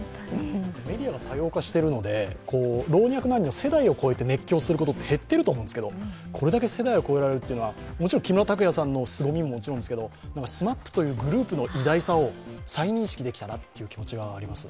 メディアが多様化してるので老若男女世代を超えて熱狂することって、減っていると思うんですけど、これだけ世代を超えられるというのは、木村拓哉さんのすごみももちろんですが、ＳＭＡＰというグループの偉大さを再認識できたなという気がします。